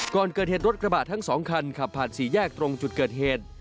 ก่อนเกิดเหตุรถกระบะทั้งสองคันขับผ่านสี่แยกตรงจุดเกิดเหตุ